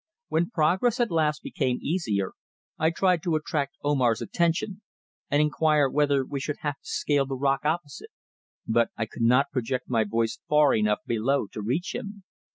When progress at last became easier, I tried to attract Omar's attention, and inquire whether we should have to scale the rock opposite, but I could not project my voice far enough below to reach him.